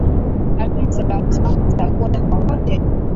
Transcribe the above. natuma salamu zangu za pole kwa wote